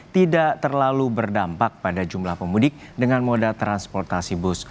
tidak terlalu berdampak pada jumlah pemudik dengan moda transportasi bus